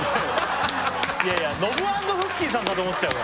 いやいやノブ＆フッキーさんかと思っちゃうよ